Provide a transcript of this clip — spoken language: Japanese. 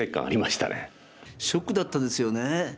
ショックだったですよね。